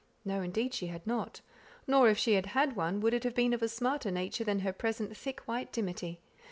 No, indeed, she had not; nor if she had had one, could it have been of a smarter nature than her present thick white dimity.